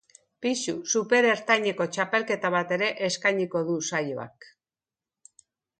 Pisu superertaineko txapelketa bat ere eskainiko du saioak.